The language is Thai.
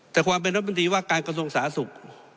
แต่ความเป็นรัฐมนตรีว่าการกระทรวงสาธารณสุข